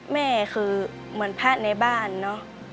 แม่คือเหมือนพระในบ้านเนอะ